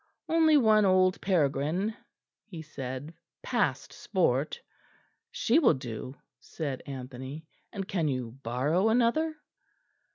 "Only one old peregrine," he said, "past sport." "She will do," said Anthony; "and can you borrow another?"